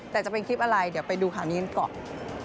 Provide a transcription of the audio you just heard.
แต่จะเป็นคลิปอะไรเดี๋ยวไปดูข่าวนี้กันก่อน